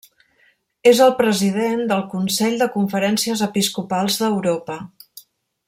És el President del Consell de Conferències Episcopals d'Europa.